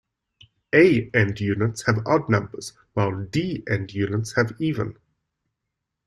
A end units have odd numbers while D end units have even.